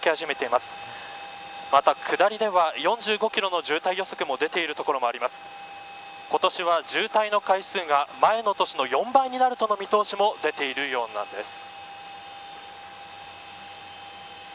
また下りでは４５キロの渋滞予測も出ている所もありますが今年は、渋滞の回数が前の年の４倍になるとの見通しも出ているようなんです。